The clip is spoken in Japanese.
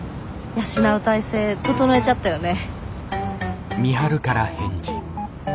養う体制整えちゃったよね。